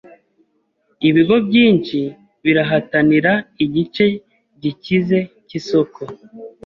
Ibigo byinshi birahatanira igice gikize cyisoko.